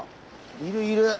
いるいる！